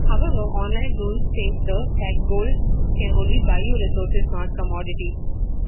However, online rules state that Gold can only buy you resources, not commodities.